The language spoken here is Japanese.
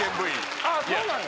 ああ、そうなんや。